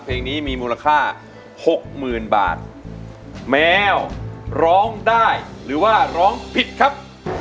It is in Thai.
เพลงนี้มีมูลค่าหกหมื่นบาทแมวร้องได้หรือว่าร้องผิดครับ